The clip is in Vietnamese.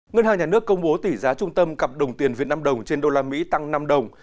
ngân hàng nhà nước công bố tỷ giá trung tâm cặp đồng tiền việt nam đồng trên đô la mỹ tăng năm đồng